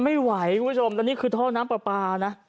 ไม่ไหวคุณผู้ชมแล้วนี่คือท่อน้ำปลาปลานะ